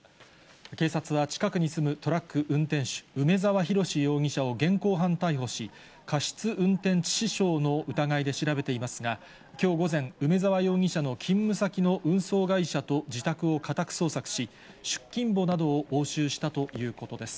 警察は近くに住む、トラック運転手、梅沢洋容疑者を現行犯逮捕し、過失運転致死傷の疑いで調べていますが、きょう午前、梅沢容疑者の勤務先の運送会社と自宅を家宅捜索し、出勤簿などを押収したということです。